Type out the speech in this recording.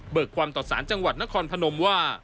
ความต่อสารจังหวัดนครพนมว่า